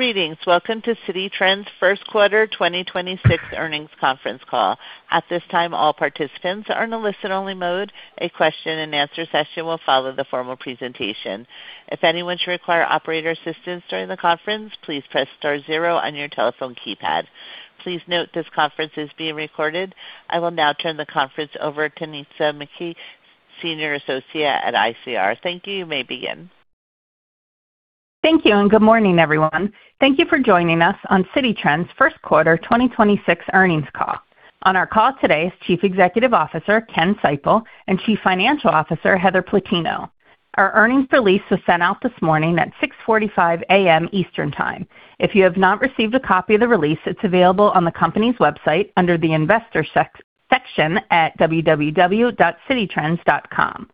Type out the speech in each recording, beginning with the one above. Greetings. Welcome to Citi Trends' first quarter 2026 earnings conference call. At this time, all participants are in a listen-only mode. A question and answer session will follow the formal presentation. If anyone should require operator assistance during the conference, please press star zero on your telephone keypad. Please note this conference is being recorded. I will now turn the conference over to Nitza McKee, Senior Associate at ICR. Thank you. You may begin. Thank you, and good morning, everyone. Thank you for joining us on Citi Trends' first quarter 2026 earnings call. On our call today is Chief Executive Officer, Ken Seipel, and Chief Financial Officer, Heather Plutino. Our earnings release was sent out this morning at 6:45 A.M. Eastern Time. If you have not received a copy of the release, it's available on the company's website under the investor section at www.cititrends.com.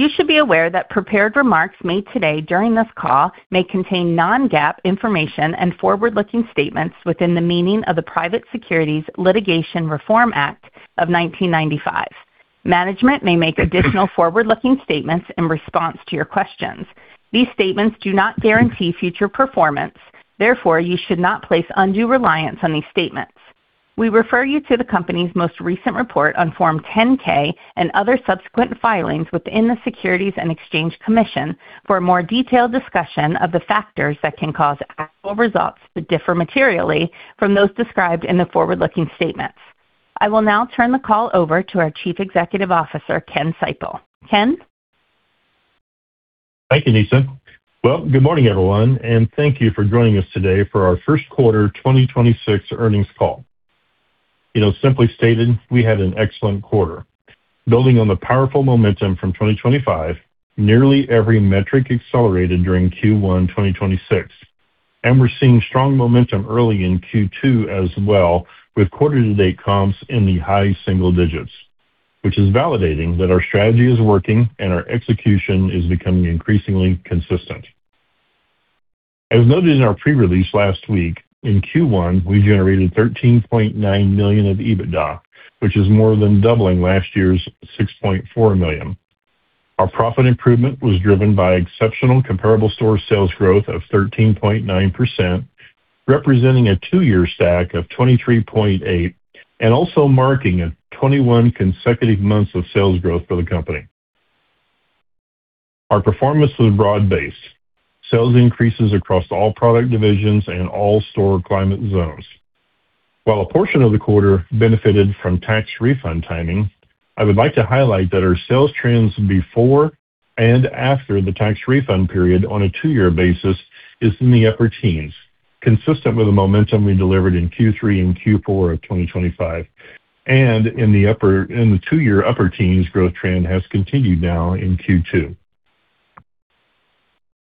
You should be aware that prepared remarks made today during this call may contain non-GAAP information and forward-looking statements within the meaning of the Private Securities Litigation Reform Act of 1995. Management may make additional forward-looking statements in response to your questions. These statements do not guarantee future performance, therefore, you should not place undue reliance on these statements. We refer you to the company's most recent report on Form 10-K and other subsequent filings within the Securities and Exchange Commission for a more detailed discussion of the factors that can cause actual results to differ materially from those described in the forward-looking statements. I will now turn the call over to our Chief Executive Officer, Ken Seipel. Ken? Thank you, Nitza. Well, good morning, everyone, and thank you for joining us today for our first quarter 2026 earnings call. Simply stated, we had an excellent quarter. Building on the powerful momentum from 2025, nearly every metric accelerated during Q1 2026, and we're seeing strong momentum early in Q2 as well, with quarter to date comps in the high single digits, which is validating that our strategy is working and our execution is becoming increasingly consistent. As noted in our pre-release last week, in Q1, we generated $13.9 million of EBITDA, which is more than doubling last year's $6.4 million. Our profit improvement was driven by exceptional comparable store sales growth of 13.9%, representing a two-year stack of 23.8% and also marking 21 consecutive months of sales growth for the company. Our performance was broad-based. Sales increases across all product divisions and all store climate zones. While a portion of the quarter benefited from tax refund timing, I would like to highlight that our sales trends before and after the tax refund period on a two-year basis is in the upper teens, consistent with the momentum we delivered in Q3 and Q4 of 2025, and in the two-year upper teens growth trend has continued now in Q2.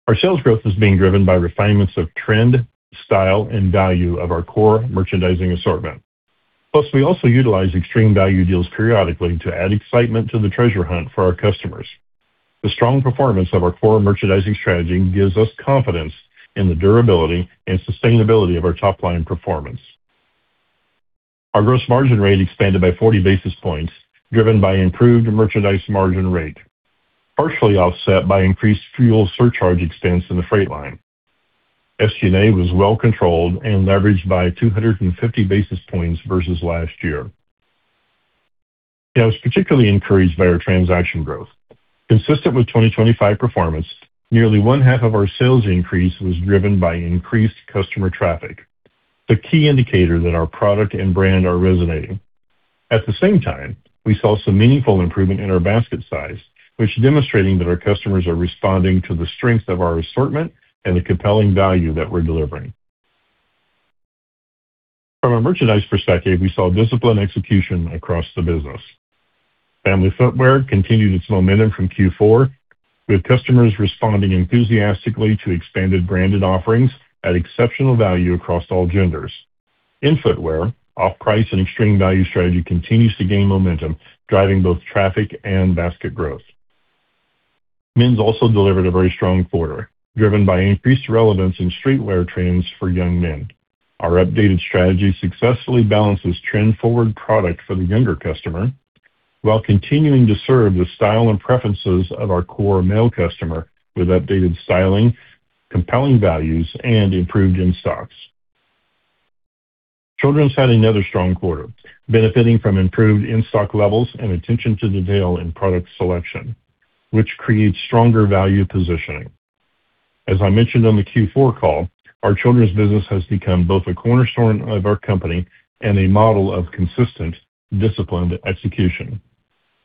Our sales growth is being driven by refinements of trend, style, and value of our core merchandising assortment. Plus, we also utilize extreme value deals periodically to add excitement to the treasure hunt for our customers. The strong performance of our core merchandising strategy gives us confidence in the durability and sustainability of our top-line performance. Our gross margin rate expanded by 40 basis points, driven by improved merchandise margin rate, partially offset by increased fuel surcharge expense in the freight line. SG&A was well controlled and leveraged by 250 basis points versus last year. I was particularly encouraged by our transaction growth. Consistent with 2025 performance, nearly one half of our sales increase was driven by increased customer traffic, the key indicator that our product and brand are resonating. At the same time, we saw some meaningful improvement in our basket size, which demonstrating that our customers are responding to the strength of our assortment and the compelling value that we're delivering. From a merchandise perspective, we saw disciplined execution across the business. Family footwear continued its momentum from Q4, with customers responding enthusiastically to expanded branded offerings at exceptional value across all genders. In footwear, off-price and extreme value strategy continues to gain momentum, driving both traffic and basket growth. Men's also delivered a very strong quarter, driven by increased relevance in streetwear trends for young men. Our updated strategy successfully balances trend-forward product for the younger customer while continuing to serve the style and preferences of our core male customer with updated styling, compelling values, and improved in-stocks. Children's had another strong quarter, benefiting from improved in-stock levels and attention to detail in product selection, which creates stronger value positioning. As I mentioned on the Q4 call, our children's business has become both a cornerstone of our company and a model of consistent, disciplined execution.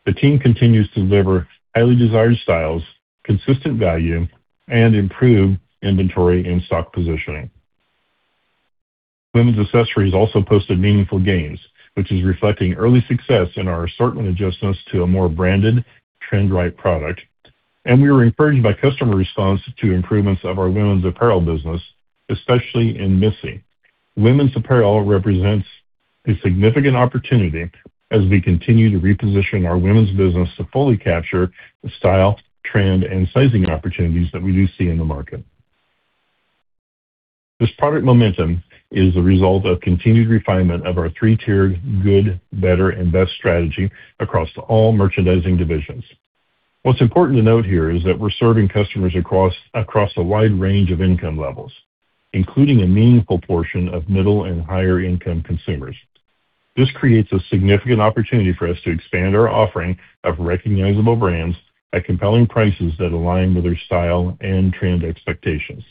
The team continues to deliver highly desired styles, consistent value, and improved inventory and stock positioning. Women's accessories also posted meaningful gains, which is reflecting early success in our assortment adjustments to a more branded, trend-right product. We were encouraged by customer response to improvements of our women's apparel business, especially in Missy. Women's apparel represents a significant opportunity as we continue to reposition our women's business to fully capture the style, trend, and sizing opportunities that we do see in the market. This product momentum is a result of continued refinement of our three-tiered good, better, and best strategy across all merchandising divisions. What's important to note here is that we're serving customers across a wide range of income levels, including a meaningful portion of middle and higher income consumers. This creates a significant opportunity for us to expand our offering of recognizable brands at compelling prices that align with their style and trend expectations.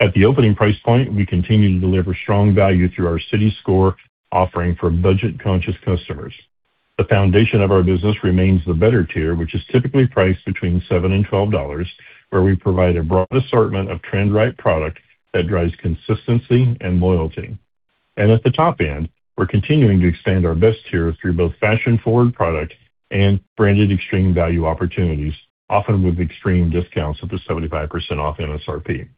At the opening price point, we continue to deliver strong value through our Citi Score offering for budget conscious customers. The foundation of our business remains the better tier, which is typically priced between $7 and $12, where we provide a broad assortment of trend right product that drives consistency and loyalty. At the top end, we're continuing to expand our best tier through both fashion forward product and branded extreme value opportunities, often with extreme discounts up to 75% off MSRP.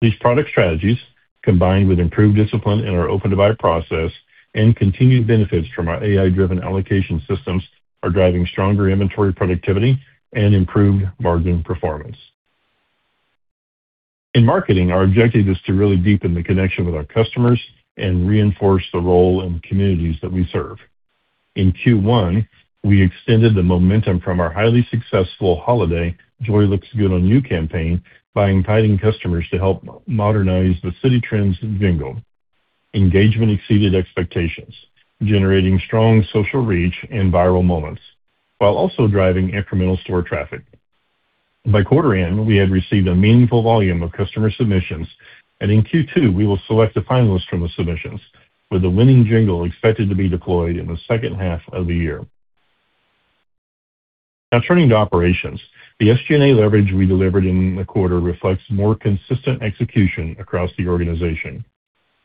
These product strategies, combined with improved discipline in our open to buy process and continued benefits from our AI-driven allocation systems, are driving stronger inventory productivity and improved margin performance. In marketing, our objective is to really deepen the connection with our customers and reinforce the role in communities that we serve. In Q1, we extended the momentum from our highly successful holiday Joy Looks Good On You campaign by inviting customers to help modernize the Citi Trends jingle. Engagement exceeded expectations, generating strong social reach and viral moments, while also driving incremental store traffic. By quarter end, we had received a meaningful volume of customer submissions, and in Q2, we will select a finalist from the submissions, with the winning jingle expected to be deployed in the second half of the year. Turning to operations. The SG&A leverage we delivered in the quarter reflects more consistent execution across the organization.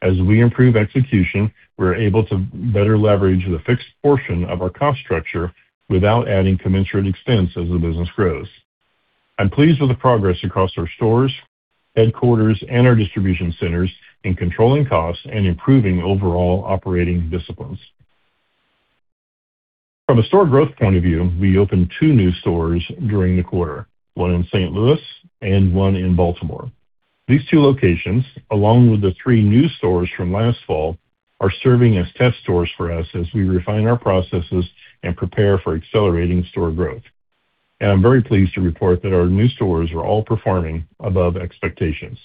As we improve execution, we're able to better leverage the fixed portion of our cost structure without adding commensurate expense as the business grows. I'm pleased with the progress across our stores, headquarters, and our distribution centers in controlling costs and improving overall operating disciplines. From a store growth point of view, we opened two new stores during the quarter, one in St. Louis and one in Baltimore. These two locations, along with the three new stores from last fall, are serving as test stores for us as we refine our processes and prepare for accelerating store growth. I'm very pleased to report that our new stores are all performing above expectations.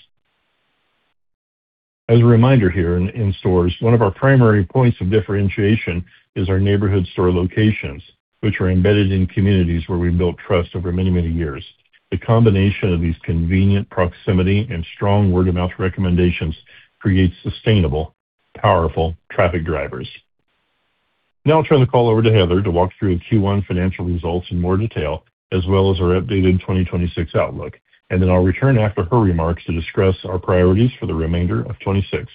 As a reminder here in stores, one of our primary points of differentiation is our neighborhood store locations, which are embedded in communities where we built trust over many, many years. The combination of these convenient proximity and strong word-of-mouth recommendations creates sustainable, powerful traffic drivers. Now I'll turn the call over to Heather to walk through the Q1 financial results in more detail, as well as our updated 2026 outlook, and then I'll return after her remarks to discuss our priorities for the remainder of 2026.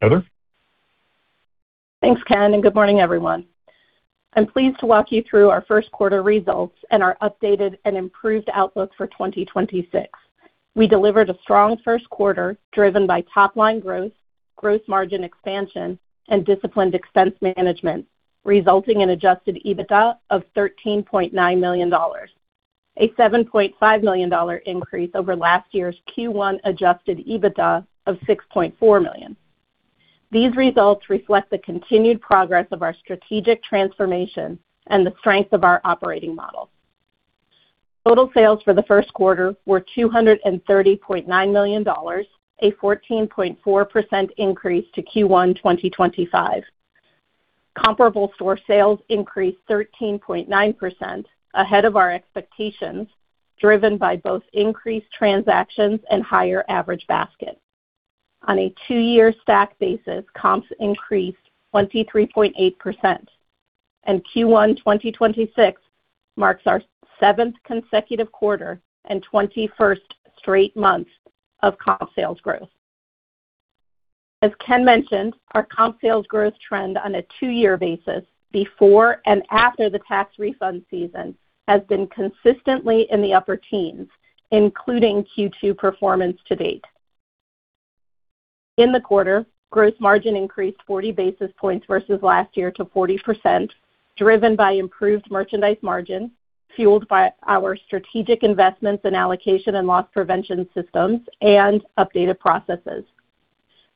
Heather? Thanks, Ken. Good morning, everyone. I'm pleased to walk you through our first quarter results and our updated and improved outlook for 2026. We delivered a strong first quarter driven by top line growth, gross margin expansion, and disciplined expense management, resulting in adjusted EBITDA of $13.9 million, a $7.5 million increase over last year's Q1 adjusted EBITDA of $6.4 million. These results reflect the continued progress of our strategic transformation and the strength of our operating model. Total sales for the first quarter were $230.9 million, a 14.4% increase to Q1 2025. Comparable store sales increased 13.9% ahead of our expectations, driven by both increased transactions and higher average basket. On a two-year stack basis, comps increased 23.8%. Q1 2026 marks our seventh consecutive quarter and 21st straight month of comp sales growth. As Ken mentioned, our comp sales growth trend on a two-year basis before and after the tax refund season has been consistently in the upper teens, including Q2 performance to date. In the quarter, gross margin increased 40 basis points versus last year to 40%, driven by improved merchandise margins, fueled by our strategic investments in allocation and loss prevention systems and updated processes.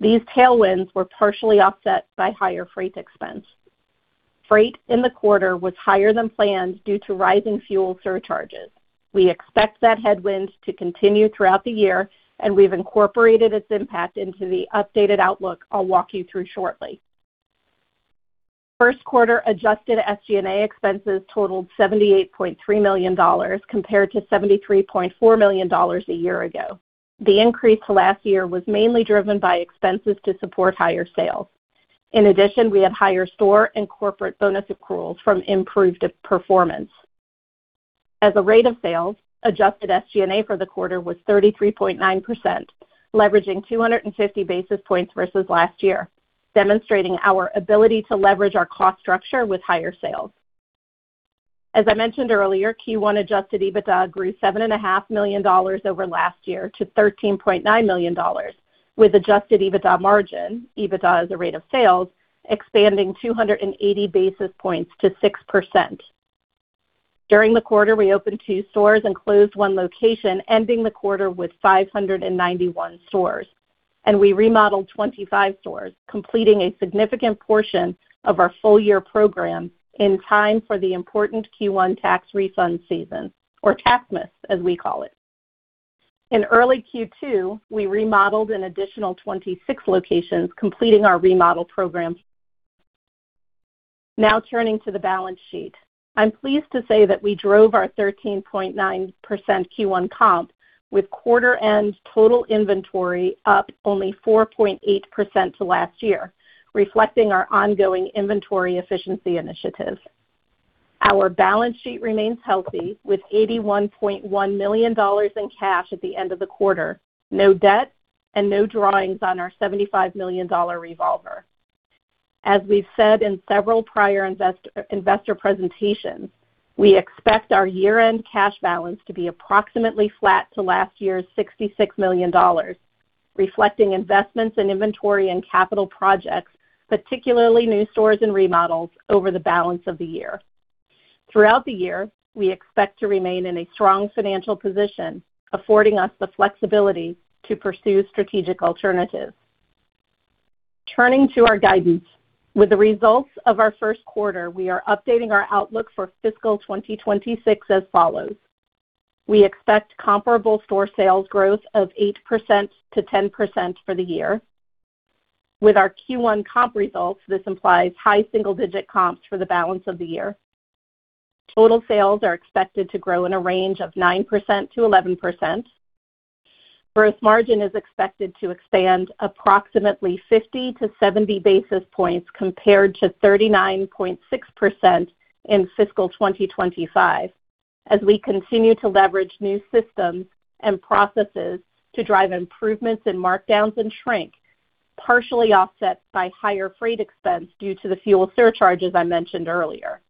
These tailwinds were partially offset by higher freight expense. Freight in the quarter was higher than planned due to rising fuel surcharges. We expect that headwind to continue throughout the year, and we've incorporated its impact into the updated outlook I'll walk you through shortly. First quarter adjusted SG&A expenses totaled $78.3 million compared to $73.4 million a year ago. The increase to last year was mainly driven by expenses to support higher sales. In addition, we had higher store and corporate bonus accruals from improved performance. As a rate of sales, adjusted SG&A for the quarter was 33.9%, leveraging 250 basis points versus last year, demonstrating our ability to leverage our cost structure with higher sales. As I mentioned earlier, Q1 adjusted EBITDA grew $7.5 million over last year to $13.9 million, with adjusted EBITDA margin, EBITDA as a rate of sales, expanding 280 basis points to 6%. During the quarter, we opened two stores and closed one location, ending the quarter with 591 stores. We remodeled 25 stores, completing a significant portion of our full year program in time for the important Q1 tax refund season, or Taxmas, as we call it. In early Q2, we remodeled an additional 26 locations, completing our remodel program. Now turning to the balance sheet. I'm pleased to say that we drove our 13.9% Q1 comp with quarter end total inventory up only 4.8% to last year, reflecting our ongoing inventory efficiency initiative. Our balance sheet remains healthy, with $81.1 million in cash at the end of the quarter, no debt, and no drawings on our $75 million revolver. As we've said in several prior investor presentations, we expect our year-end cash balance to be approximately flat to last year's $66 million, reflecting investments in inventory and capital projects, particularly new stores and remodels, over the balance of the year. Throughout the year, we expect to remain in a strong financial position, affording us the flexibility to pursue strategic alternatives. Turning to our guidance. With the results of our first quarter, we are updating our outlook for fiscal 2026 as follows. We expect comparable store sales growth of 8%-10% for the year. With our Q1 comp results, this implies high single digit comps for the balance of the year. Total sales are expected to grow in a range of 9%-11%. Gross margin is expected to expand approximately 50-70 basis points compared to 39.6% in fiscal 2025, as we continue to leverage new systems and processes to drive improvements in markdowns and shrink, partially offset by higher freight expense due to the fuel surcharges I mentioned earlier.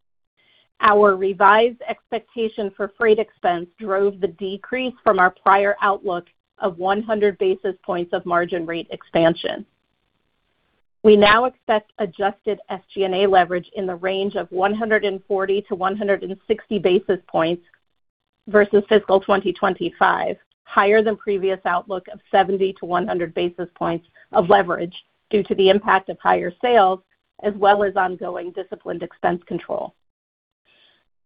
Our revised expectation for freight expense drove the decrease from our prior outlook of 100 basis points of margin rate expansion. We now expect adjusted SG&A leverage in the range of 140-160 basis points versus fiscal 2025, higher than previous outlook of 70-100 basis points of leverage due to the impact of higher sales as well as ongoing disciplined expense control.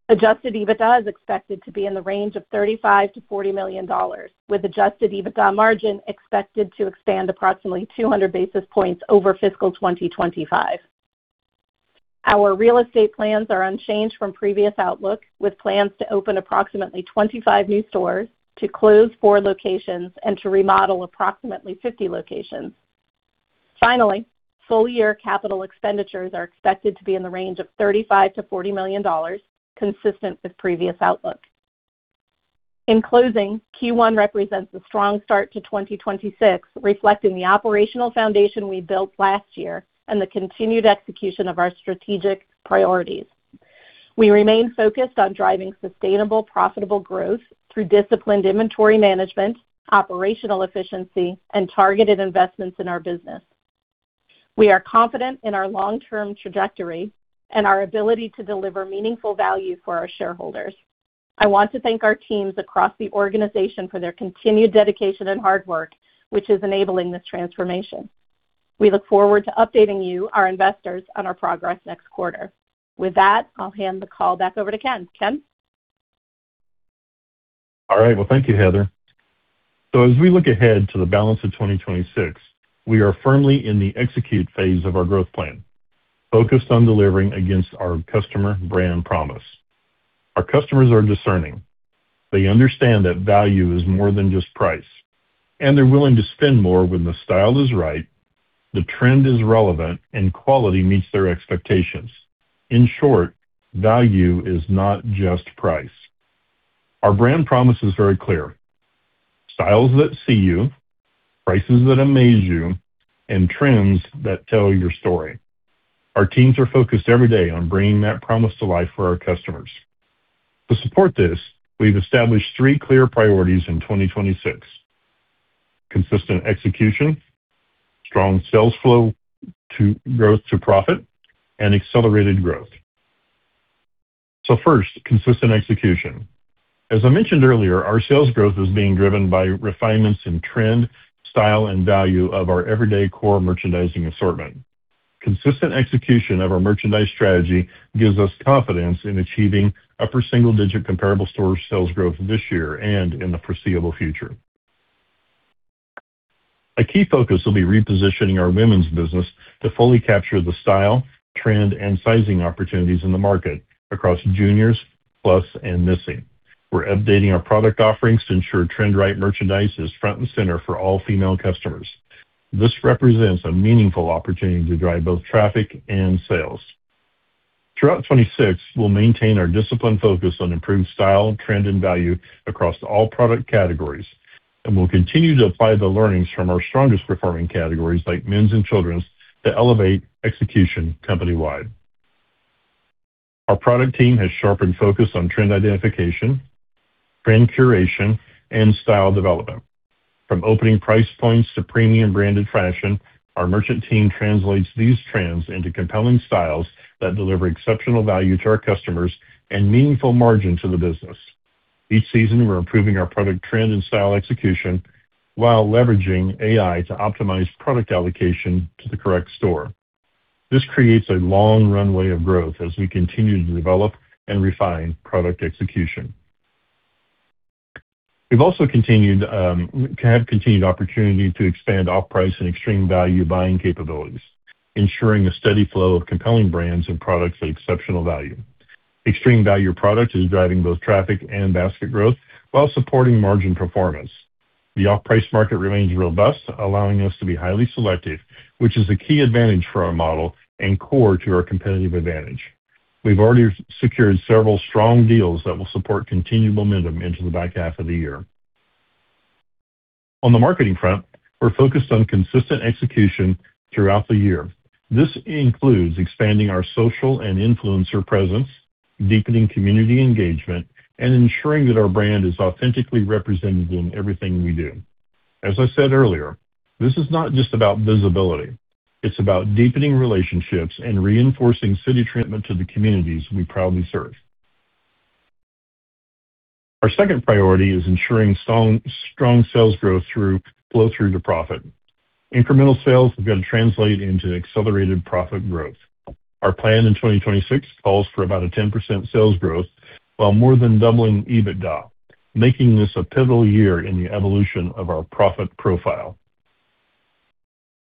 Adjusted EBITDA is expected to be in the range of $35 million-$40 million, with adjusted EBITDA margin expected to expand approximately 200 basis points over fiscal 2025. Our real estate plans are unchanged from previous outlook, with plans to open approximately 25 new stores, to close four locations, and to remodel approximately 50 locations. Finally, full year capital expenditures are expected to be in the range of $35 million-$40 million, consistent with previous outlook. In closing, Q1 represents a strong start to 2026, reflecting the operational foundation we built last year and the continued execution of our strategic priorities. We remain focused on driving sustainable, profitable growth through disciplined inventory management, operational efficiency, and targeted investments in our business. We are confident in our long-term trajectory and our ability to deliver meaningful value for our shareholders. I want to thank our teams across the organization for their continued dedication and hard work, which is enabling this transformation. We look forward to updating you, our investors, on our progress next quarter. With that, I'll hand the call back over to Ken. Ken? All right. Well, thank you, Heather Plutino. As we look ahead to the balance of 2026, we are firmly in the execute phase of our growth plan, focused on delivering against our customer brand promise. Our customers are discerning. They understand that value is more than just price, and they're willing to spend more when the style is right, the trend is relevant, and quality meets their expectations. In short, value is not just price. Our brand promise is very clear. Styles that see you, prices that amaze you, and trends that tell your story. Our teams are focused every day on bringing that promise to life for our customers. To support this, we've established three clear priorities in 2026. Consistent Execution, Strong Sales Flow-Growth to Profit, and Accelerated Growth. First, Consistent Execution. As I mentioned earlier, our sales growth is being driven by refinements in trend, style, and value of our everyday core merchandising assortment. Consistent execution of our merchandise strategy gives us confidence in achieving upper single digit comparable store sales growth this year and in the foreseeable future. A key focus will be repositioning our women's business to fully capture the style, trend, and sizing opportunities in the market across juniors, plus, and Missy. We're updating our product offerings to ensure trend-right merchandise is front and center for all female customers. This represents a meaningful opportunity to drive both traffic and sales. Throughout 2026, we'll maintain our disciplined focus on improved style, trend, and value across all product categories, and we'll continue to apply the learnings from our strongest performing categories, like men's and children's, to elevate execution company-wide. Our product team has sharpened focus on trend identification, brand curation, and style development. From opening price points to premium branded fashion, our merchant team translates these trends into compelling styles that deliver exceptional value to our customers and meaningful margin to the business. Each season, we're improving our product trend and style execution while leveraging AI to optimize product allocation to the correct store. This creates a long runway of growth as we continue to develop and refine product execution. We've also had continued opportunity to expand off-price and extreme value buying capabilities, ensuring a steady flow of compelling brands and products at exceptional value. Extreme value product is driving both traffic and basket growth while supporting margin performance. The off-price market remains robust, allowing us to be highly selective, which is a key advantage for our model and core to our competitive advantage. We've already secured several strong deals that will support continued momentum into the back half of the year. On the marketing front, we're focused on consistent execution throughout the year. This includes expanding our social and influencer presence, deepening community engagement, and ensuring that our brand is authentically represented in everything we do. As I said earlier, this is not just about visibility. It's about deepening relationships and reinforcing Citi Trends to the communities we proudly serve. Our second priority is ensuring strong sales growth through flow-through to profit. Incremental sales have got to translate into accelerated profit growth. Our plan in 2026 calls for about a 10% sales growth while more than doubling EBITDA, making this a pivotal year in the evolution of our profit profile.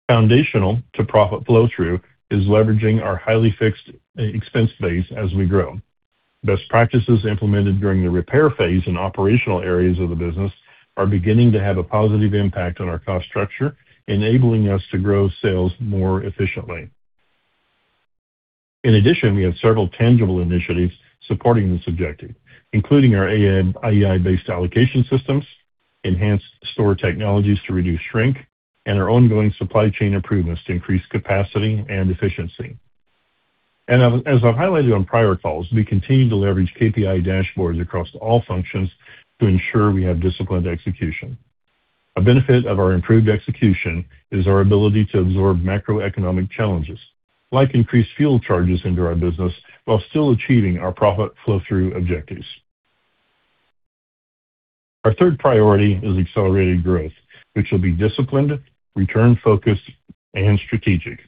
Foundational to profit flow-through is leveraging our highly fixed expense base as we grow. Best practices implemented during the repair phase in operational areas of the business are beginning to have a positive impact on our cost structure, enabling us to grow sales more efficiently. In addition, we have several tangible initiatives supporting this objective, including our AI-based allocation systems, enhanced store technologies to reduce shrink, and our ongoing supply chain improvements to increase capacity and efficiency. As I've highlighted on prior calls, we continue to leverage KPI dashboards across all functions to ensure we have disciplined execution. A benefit of our improved execution is our ability to absorb macroeconomic challenges, like increased fuel charges into our business, while still achieving our profit flow-through objectives. Our third priority is accelerated growth, which will be disciplined, return-focused, and strategic.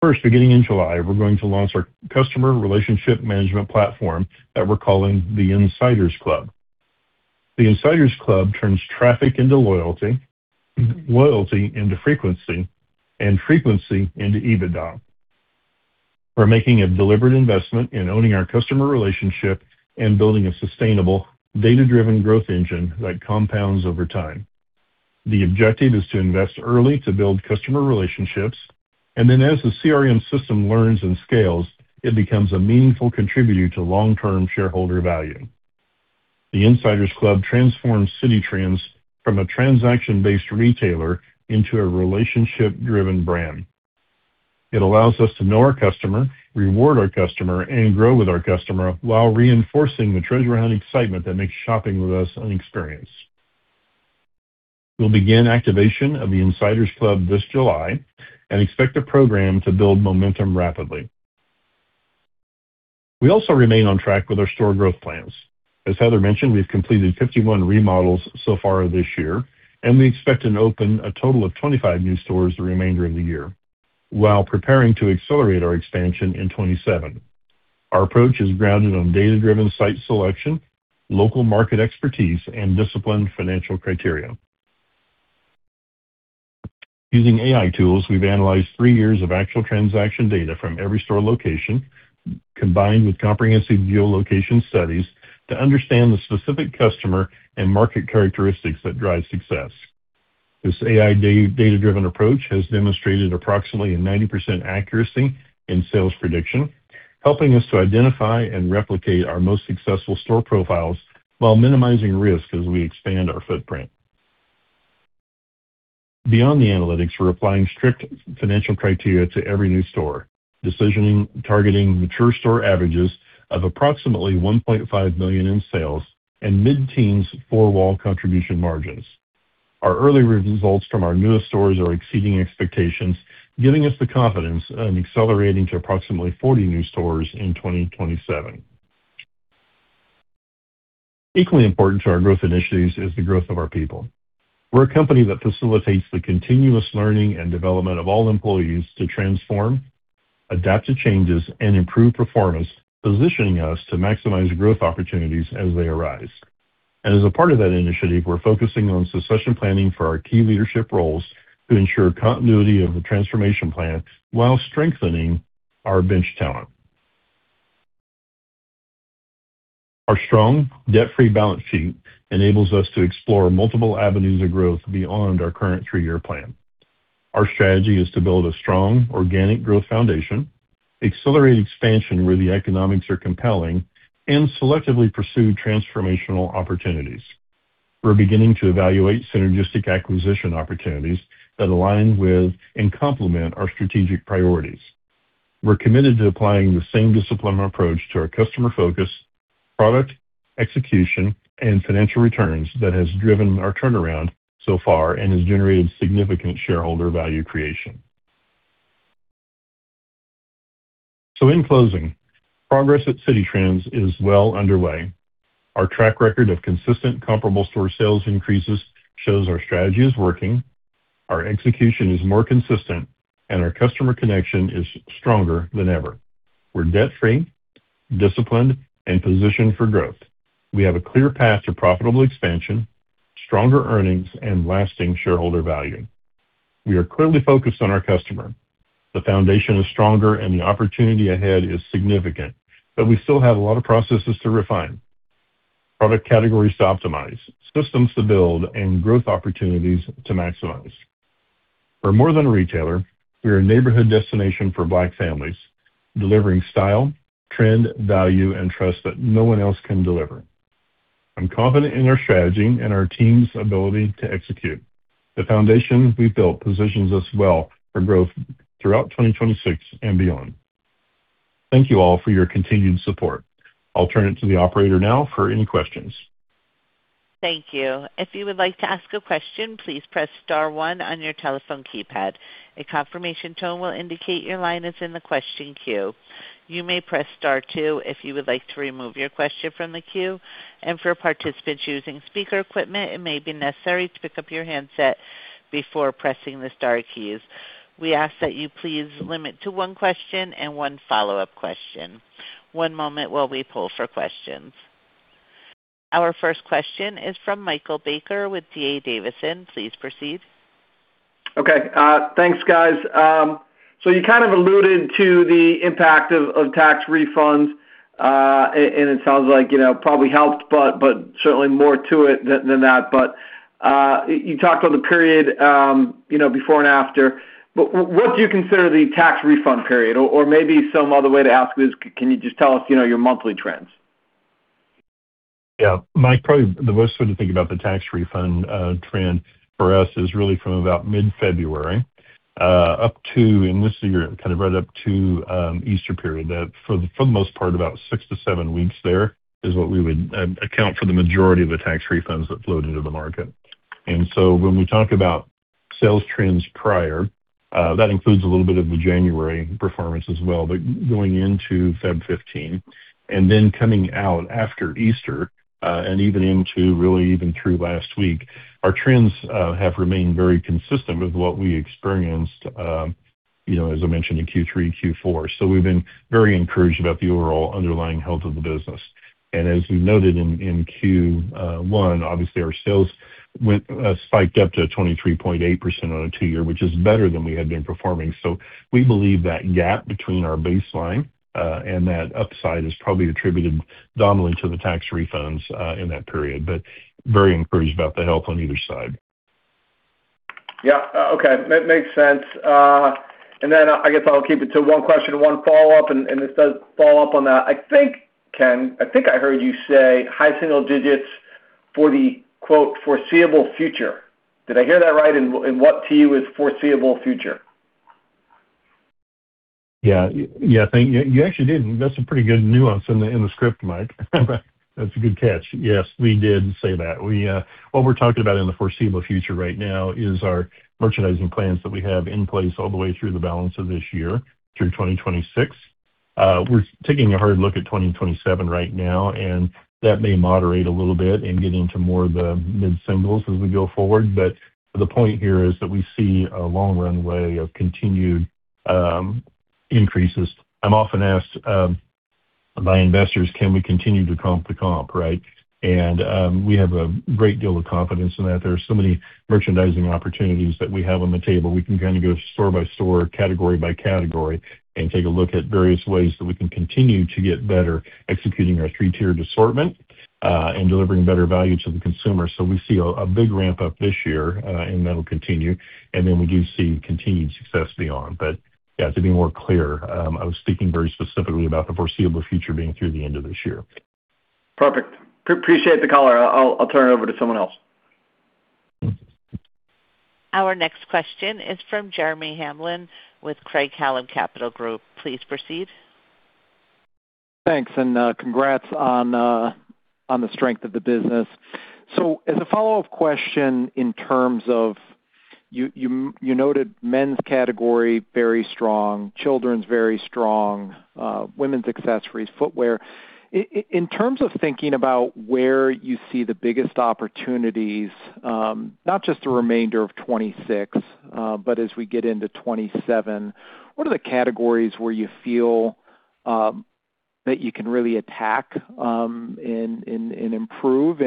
First, beginning in July, we're going to launch our customer relationship management platform that we're calling the Insiders Club. The Insiders Club turns traffic into loyalty into frequency, and frequency into EBITDA. We're making a deliberate investment in owning our customer relationship and building a sustainable, data-driven growth engine that compounds over time. The objective is to invest early to build customer relationships, and then as the CRM system learns and scales, it becomes a meaningful contributor to long-term shareholder value. The Insiders Club transforms Citi Trends from a transaction-based retailer into a relationship-driven brand. It allows us to know our customer, reward our customer, and grow with our customer while reinforcing the treasure hunt excitement that makes shopping with us an experience. We'll begin activation of the Insiders Club this July and expect the program to build momentum rapidly. We also remain on track with our store growth plans. As Heather mentioned, we've completed 51 remodels so far this year, and we expect to open a total of 25 new stores the remainder of the year while preparing to accelerate our expansion in 2027. Our approach is grounded on data-driven site selection, local market expertise, and disciplined financial criteria. Using AI tools, we've analyzed three years of actual transaction data from every store location, combined with comprehensive geolocation studies to understand the specific customer and market characteristics that drive success. This AI data-driven approach has demonstrated approximately a 90% accuracy in sales prediction, helping us to identify and replicate our most successful store profiles while minimizing risk as we expand our footprint. Beyond the analytics, we're applying strict financial criteria to every new store, decisioning targeting mature store averages of approximately $1.5 million in sales and mid-teens four-wall contribution margins. Our early results from our newest stores are exceeding expectations, giving us the confidence in accelerating to approximately 40 new stores in 2027. Equally important to our growth initiatives is the growth of our people. We're a company that facilitates the continuous learning and development of all employees to transform, adapt to changes, and improve performance, positioning us to maximize growth opportunities as they arise. As a part of that initiative, we're focusing on succession planning for our key leadership roles to ensure continuity of the transformation plan while strengthening our bench talent. Our strong, debt-free balance sheet enables us to explore multiple avenues of growth beyond our current three-year plan. Our strategy is to build a strong organic growth foundation, accelerate expansion where the economics are compelling, and selectively pursue transformational opportunities. We're beginning to evaluate synergistic acquisition opportunities that align with and complement our strategic priorities. We're committed to applying the same disciplined approach to our customer focus, product execution, and financial returns that has driven our turnaround so far and has generated significant shareholder value creation. In closing, progress at Citi Trends is well underway. Our track record of consistent comparable store sales increases shows our strategy is working, our execution is more consistent, and our customer connection is stronger than ever. We're debt-free, disciplined, and positioned for growth. We have a clear path to profitable expansion, stronger earnings, and lasting shareholder value. We are clearly focused on our customer. The foundation is stronger and the opportunity ahead is significant. We still have a lot of processes to refine, product categories to optimize, systems to build, and growth opportunities to maximize. We're more than a retailer. We are a neighborhood destination for Black families, delivering style, trend, value, and trust that no one else can deliver. I'm confident in our strategy and our team's ability to execute. The foundation we've built positions us well for growth throughout 2026 and beyond. Thank you all for your continued support. I'll turn it to the operator now for any questions. Thank you. If you would like to ask a question, please press star one on your telephone keypad. A confirmation tone will indicate your line is in the question queue. You may press star two if you would like to remove your question from the queue. For participants using speaker equipment, it may be necessary to pick up your handset before pressing the star keys. We ask that you please limit to one question and one follow-up question. One moment while we poll for questions. Our first question is from Michael Baker with DA Davidson. Please proceed. Okay. Thanks, guys. You kind of alluded to the impact of tax refunds. It sounds like it probably helped, but certainly more to it than that. You talked about the period before and after. What do you consider the tax refund period? Maybe some other way to ask is, can you just tell us your monthly trends? Mike, probably the best way to think about the tax refund trend for us is really from about mid-February up to, in this year, kind of right up to Easter period. For the most part, about six to seven weeks there is what we would account for the majority of the tax refunds that flowed into the market. When we talk about sales trends prior, that includes a little bit of the January performance as well. Going into February 15 and then coming out after Easter, and even into really even through last week, our trends have remained very consistent with what we experienced, as I mentioned, in Q3 and Q4. We've been very encouraged about the overall underlying health of the business. As we noted in Q1, obviously our sales spiked up to 23.8% on a two-year, which is better than we had been performing. We believe that gap between our baseline and that upside is probably attributed dominantly to the tax refunds in that period. Very encouraged about the health on either side. Yeah. Okay. That makes sense. I guess I'll keep it to one question and one follow-up, and this does follow up on that. I think, Ken, I heard you say high single digits for the quote, "foreseeable future." Did I hear that right? What to you is foreseeable future? You actually did. That's a pretty good nuance in the script, Michael. That's a good catch. Yes, we did say that. What we're talking about in the foreseeable future right now is our merchandising plans that we have in place all the way through the balance of this year through 2026. We're taking a hard look at 2027 right now, and that may moderate a little bit and get into more of the mid-singles as we go forward. The point here is that we see a long runway of continued increases. I'm often asked by investors, can we continue to comp the comp, right? We have a great deal of confidence in that. There are so many merchandising opportunities that we have on the table. We can kind of go store by store, category by category, and take a look at various ways that we can continue to get better executing our three-tiered assortment and delivering better value to the consumer. We see a big ramp-up this year, and that'll continue, and then we do see continued success beyond. Yeah, to be more clear, I was speaking very specifically about the foreseeable future being through the end of this year. Perfect. Appreciate the color. I'll turn it over to someone else. Our next question is from Jeremy Hamblin with Craig-Hallum Capital Group. Please proceed. Thanks, and congrats on the strength of the business. As a follow-up question in terms of you noted men's category, very strong, children's very strong, women's accessories, footwear. In terms of thinking about where you see the biggest opportunities, not just the remainder of 2026, but as we get into 2027, what are the categories where you feel that you can really attack and improve?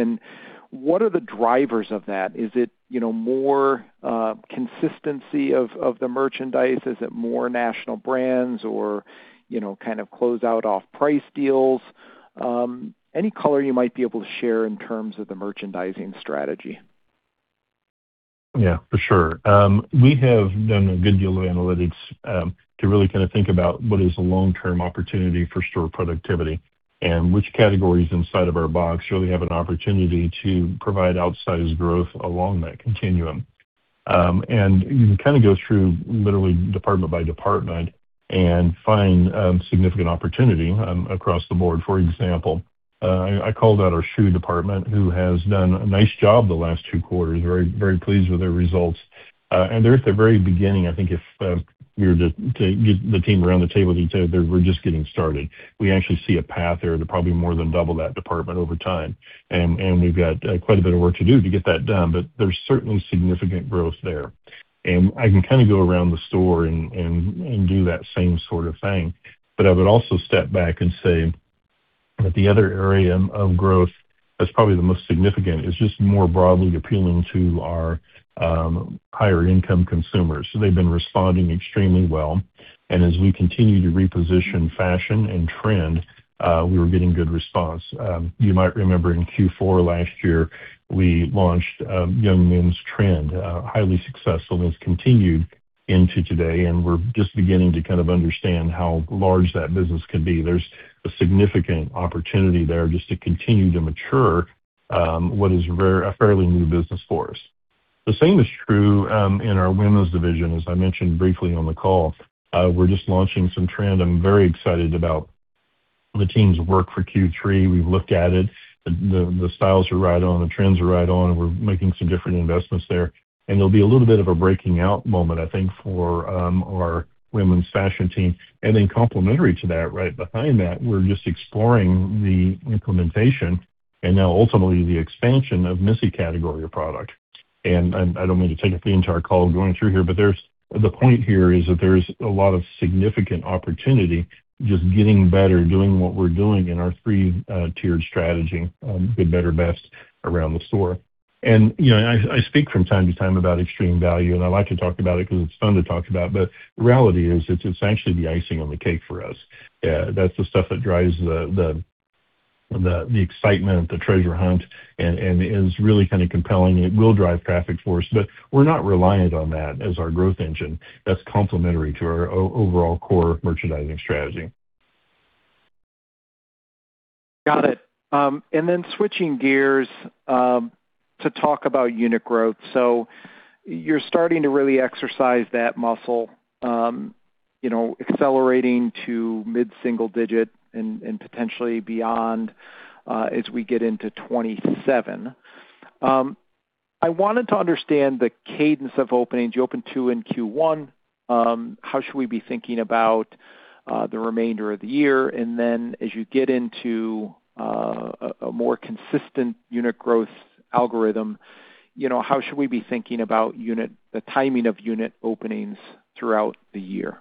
What are the drivers of that? Is it more consistency of the merchandise? Is it more national brands or kind of closeout off-price deals? Any color you might be able to share in terms of the merchandising strategy. Yeah, for sure. We have done a good deal of analytics to really kind of think about what is a long-term opportunity for store productivity and which categories inside of our box really have an opportunity to provide outsized growth along that continuum. You can kind of go through literally department by department and find significant opportunity across the board. For example, I called out our shoe department, who has done a nice job the last two quarters. Very pleased with their results. They're at the very beginning. I think if you were to get the team around the table, they'd say, "We're just getting started." We actually see a path there to probably more than double that department over time, and we've got quite a bit of work to do to get that done. There's certainly significant growth there. I can kind of go around the store and do that same sort of thing. I would also step back and say that the other area of growth that's probably the most significant is just more broadly appealing to our higher income consumers. They've been responding extremely well. As we continue to reposition fashion and trend, we were getting good response. You might remember in Q4 last year, we launched Young Men's Trend, highly successful, and it's continued into today, and we're just beginning to kind of understand how large that business could be. There's a significant opportunity there just to continue to mature what is a fairly new business for us. The same is true in our women's division. As I mentioned briefly on the call, we're just launching some trend I'm very excited about. The team's work for Q3, we've looked at it. The styles are right on, the trends are right on. We're making some different investments there, and there'll be a little bit of a breaking out moment, I think, for our women's fashion team. Complementary to that, right behind that, we're just exploring the implementation and now ultimately the expansion of Missy category of product. I don't mean to take up the entire call going through here, but the point here is that there's a lot of significant opportunity just getting better, doing what we're doing in our three-tiered strategy, good, better, best around the store. I speak from time to time about extreme value, and I like to talk about it because it's fun to talk about. The reality is it's actually the icing on the cake for us. That's the stuff that drives the excitement, the treasure hunt, and is really kind of compelling. It will drive traffic for us, but we're not reliant on that as our growth engine. That's complementary to our overall core merchandising strategy. Got it. Switching gears to talk about unit growth. You're starting to really exercise that muscle, accelerating to mid-single digit and potentially beyond as we get into 2027. I wanted to understand the cadence of openings. You opened two in Q1. How should we be thinking about the remainder of the year? As you get into a more consistent unit growth algorithm, how should we be thinking about the timing of unit openings throughout the year?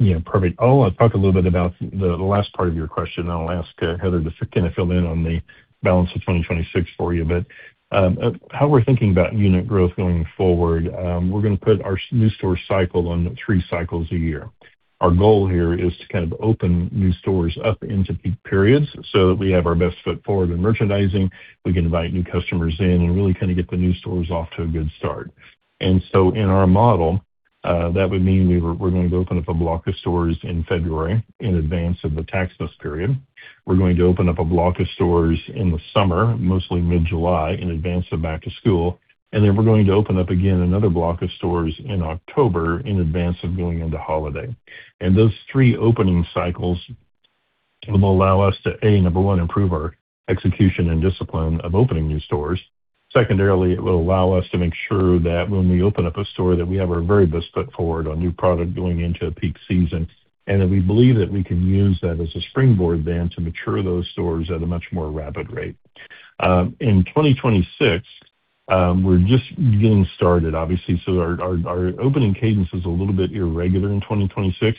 Yeah, perfect. I want to talk a little bit about the last part of your question, and I'll ask Heather to kind of fill in on the balance of 2026 for you. How we're thinking about unit growth going forward, we're going to put our new store cycle on three cycles a year. Our goal here is to kind of open new stores up into peak periods so that we have our best foot forward in merchandising. We can invite new customers in and really kind of get the new stores off to a good start. In our model, that would mean we're going to open up a block of stores in February in advance of the Taxmas period. We're going to open up a block of stores in the summer, mostly mid-July, in advance of back to school. We're going to open up again another block of stores in October in advance of going into holiday. Those three opening cycles will allow us to, A, number one, improve our execution and discipline of opening new stores. Secondarily, it will allow us to make sure that when we open up a store, that we have our very best foot forward on new product going into a peak season, and that we believe that we can use that as a springboard then to mature those stores at a much more rapid rate. In 2026, we're just getting started, obviously. Our opening cadence is a little bit irregular in 2026.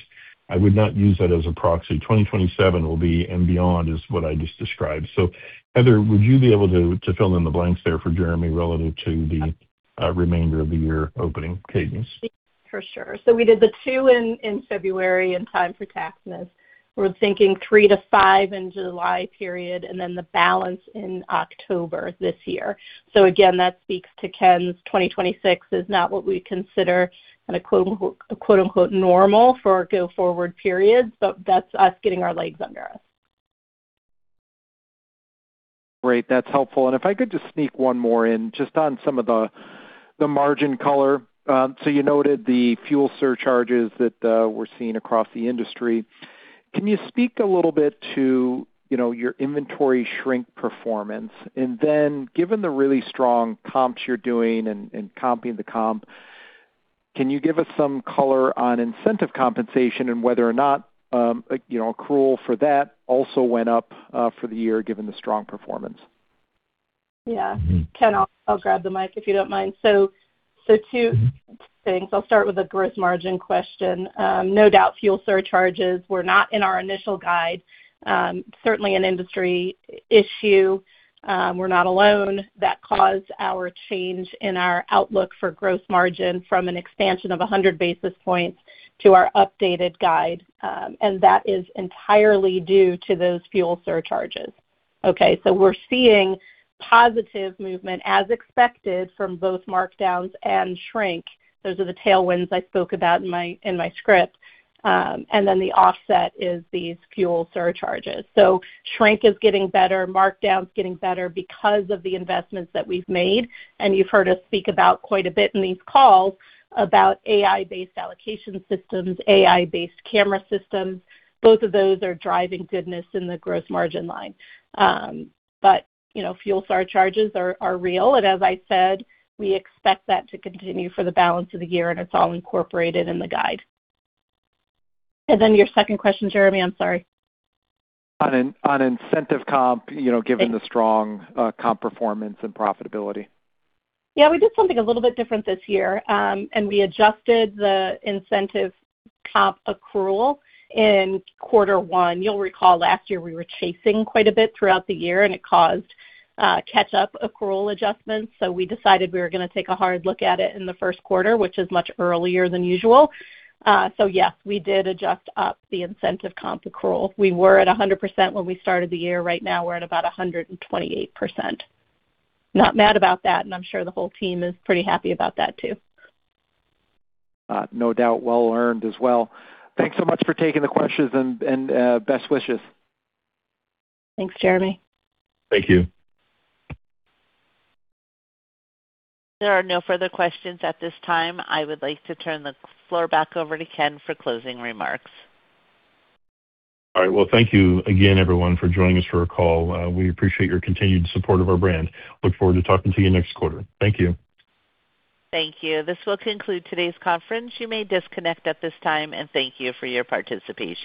I would not use that as a proxy. 2027 will be and beyond is what I just described. Heather, would you be able to fill in the blanks there for Jeremy relative to the remainder of the year opening cadence? For sure. We did the two in February in time for Taxmas. We're thinking three to five in July period, the balance in October this year. Again, that speaks to Ken's 2026 is not what we consider kind of a quote, unquote, "normal" for go forward periods, that's us getting our legs under us. Great. That's helpful. If I could just sneak one more in, just on some of the margin color. You noted the fuel surcharges that we're seeing across the industry. Can you speak a little bit to your inventory shrink performance? Given the really strong comps you're doing and comping the comp, can you give us some color on incentive compensation and whether or not accrual for that also went up for the year given the strong performance? Yeah. Ken, I'll grab the mic, if you don't mind. Two things. I'll start with the gross margin question. No doubt, fuel surcharges were not in our initial guide. Certainly an industry issue. We're not alone. That caused our change in our outlook for gross margin from an expansion of 100 basis points to our updated guide. That is entirely due to those fuel surcharges. Okay, we're seeing positive movement, as expected, from both markdowns and shrink. Those are the tailwinds I spoke about in my script. Then the offset is these fuel surcharges. Shrink is getting better, markdown's getting better because of the investments that we've made. You've heard us speak about quite a bit in these calls about AI-based allocation systems, AI-based camera systems. Both of those are driving goodness in the gross margin line. Fuel surcharges are real, and as I said, we expect that to continue for the balance of the year, and it's all incorporated in the guide. Your second question, Jeremy, I'm sorry. On incentive comp, given the strong comp performance and profitability. Yeah, we did something a little bit different this year, and we adjusted the incentive comp accrual in quarter one. You'll recall last year we were chasing quite a bit throughout the year, and it caused catch-up accrual adjustments. We decided we were going to take a hard look at it in the first quarter, which is much earlier than usual. Yes, we did adjust up the incentive comp accrual. We were at 100% when we started the year. Right now, we're at about 128%. Not mad about that, and I'm sure the whole team is pretty happy about that too. No doubt well earned as well. Thanks so much for taking the questions, and best wishes. Thanks, Jeremy. Thank you. There are no further questions at this time. I would like to turn the floor back over to Ken for closing remarks. All right. Well, thank you again, everyone, for joining us for our call. We appreciate your continued support of our brand. Look forward to talking to you next quarter. Thank you. Thank you. This will conclude today's conference. You may disconnect at this time, and thank you for your participation.